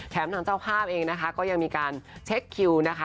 ทางเจ้าภาพเองนะคะก็ยังมีการเช็คคิวนะคะ